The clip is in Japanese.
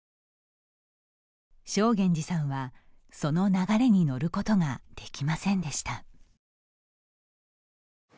正源司さんは、その流れに乗ることができませんでした。